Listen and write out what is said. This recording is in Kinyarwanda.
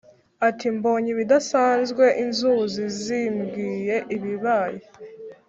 ati"mbonye ibidasanzwe inzuzi zimbwiye ibibaye